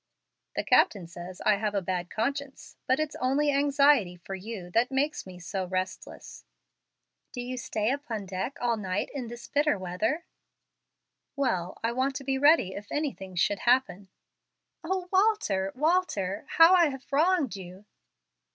The captain says I have a bad conscience, but it's only anxiety for you that makes me so restless." "Do you stay upon deck all night this bitter weather?" "Well, I want to be ready if anything should happen." "O Walter, Walter! how I have wronged you!"